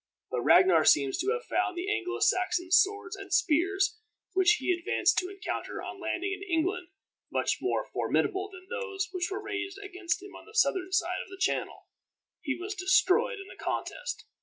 But Ragnar seems to have found the Anglo Saxon swords and spears which he advanced to encounter on landing in England much more formidable than those which were raised against him on the southern side of the Channel. He was destroyed in the contest.